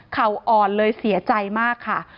เขาอ่อนเลยเสียใจมากค่ะ